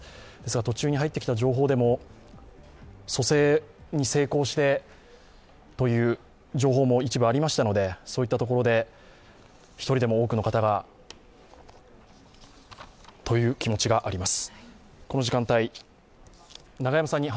途中に入ってきた情報でも、蘇生に成功してという情報も一部ありましたので、そういったところで１人でも多くの方がという気持ちがあります。